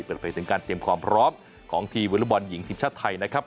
เปิดเผยถึงการเตรียมความพร้อมของทีมวอเล็กบอลหญิงทีมชาติไทยนะครับ